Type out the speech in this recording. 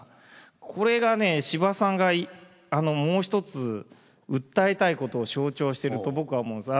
これがね司馬さんがもう一つ訴えたいことを象徴してると僕は思うんです。